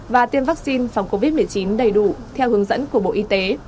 và tiêm vaccine phòng covid một mươi chín đầy đủ theo hướng dẫn của bộ y tế